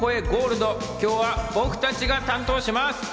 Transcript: ゴールド、今日は僕たちが担当します。